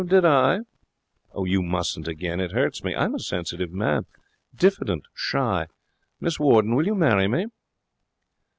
'Did I?' 'You mustn't again. It hurts me. I'm a sensitive man. Diffident. Shy. Miss Warden, will you marry me?'